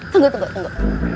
tunggu tunggu tunggu